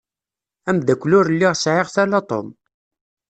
Amdakel ur lliɣ sεiɣ-t ala Tom.